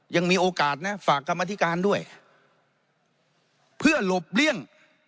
ยังมีโอกาสนะฝากกรรมธิการด้วยเพื่อหลบเลี่ยง